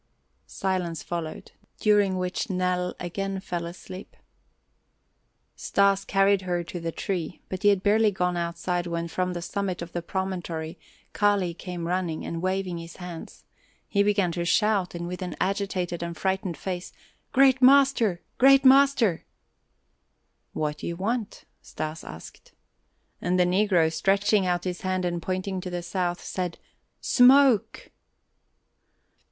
Silence followed, during which Nell again fell asleep. Stas carried her to the tree, but he had barely gone outside when from the summit of the promontory Kali came running and waving his hands; he began to shout, with an agitated and frightened face: "Great master! Great master!" "What do you want?" Stas asked. And the negro, stretching out his hand and pointing to the south, said: "Smoke!"